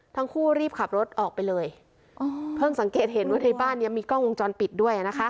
ทั้งคู่รีบขับรถออกไปเลยเพิ่งสังเกตเห็นว่าในบ้านเนี้ยมีกล้องวงจรปิดด้วยนะคะ